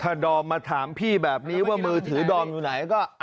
ถ้าดอมมาถามพี่แบบนี้ว่ามือถือดอมอยู่ไหนก็